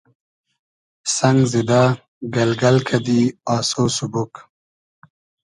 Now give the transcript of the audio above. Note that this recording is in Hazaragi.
سئنگ زیدۂ گئلگئل کئدی آسۉ سوبوگ